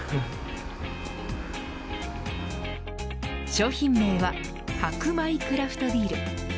商品名は箔米クラフトビール。